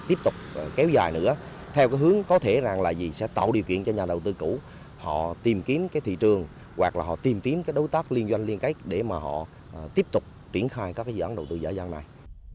tiếp tục kéo dài nữa theo hướng có thể là gì sẽ tạo điều kiện cho nhà đầu tư cũ họ tìm kiếm thị trường hoặc là họ tìm kiếm đối tác liên doanh liên kết để mà họ tiếp tục tuyển khai các dự án đầu tư giả dân này